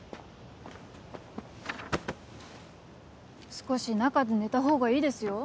少し中で寝たほうがいいですよ